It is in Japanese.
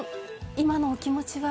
今のお気持ちは？